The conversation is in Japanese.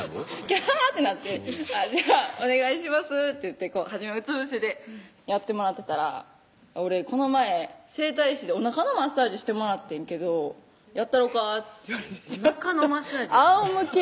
キャハーってなって「じゃあお願いします」って言って初めはうつ伏せでやってもらってたら「俺この前整体師でおなかのマッサージしてもらってんけどやったろか？」って言われておなかのマッサージ？あおむけ？